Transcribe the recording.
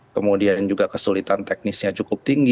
kemudian juga kesulitan teknisnya cukup tinggi